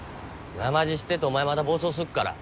なまじ知ってっとお前また暴走すっから。